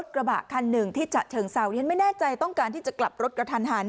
กระบะทางที่จะเฉิงเสาไม่แน่ใจกำลังกลับรถทันหัน